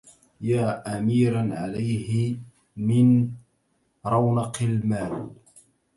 يا أميرا عليه من رونق المل